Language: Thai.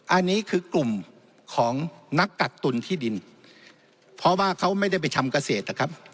อันนี้คือกลุ่มของนักกักตุลที่ดินเพราะว่าเขาไม่ได้ไปทำเกษตรนะครับ